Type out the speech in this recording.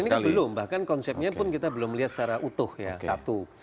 ini kan belum bahkan konsepnya pun kita belum melihat secara utuh ya satu